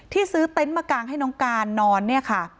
ที่ซื้อเต็นต์มากางให้น้องการนอนเนี่ยค่ะ